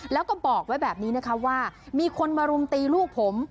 แล้วก็บอกไว้แบบนี้นะคะว่ามีคนมารุมตีลูกผม